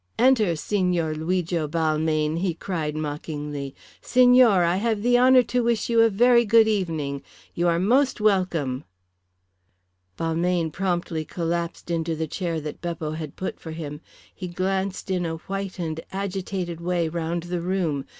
"Enter, Signor Luigo Balmayne," he cried mockingly. "Signor, I have the honour to wish you a very good evening. You are most welcome." Balmayne promptly collapsed into the chair that Beppo had put for him. He glanced in a white and agitated way round the room.